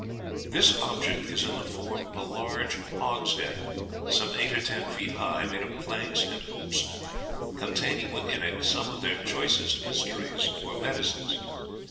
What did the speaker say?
This object is in the form of a large hogshead, some eight or ten feet high, made of planks and hoops, containing within it some of their choicest mysteries or medicines.